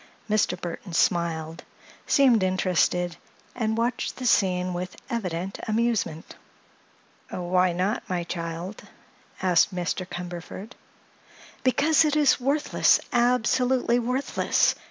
Mr. Burthon smiled, seemed interested, and watched the scene with evident amusement. "Why not, my child?" asked Mr. Cumberford. "Because it is worthless—absolutely worthless!"